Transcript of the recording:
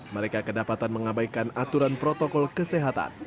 mereka kedapatan mengabaikan aturan protokol kesehatan